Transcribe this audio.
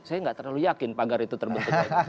saya nggak terlalu yakin pagar itu terbentuk